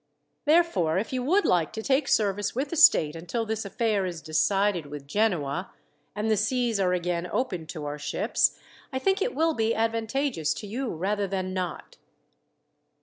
Therefore, if you would like to take service with the state until this affair is decided with Genoa, and the seas are again open to our ships, I think it will be advantageous to you rather than not."